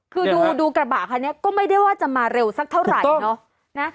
คือดูกระบะคันนี้ก็ไม่ได้ว่าจะมาเร็วสักเท่าไหร่เนอะ